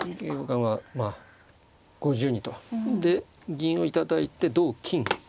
銀を頂いて同金。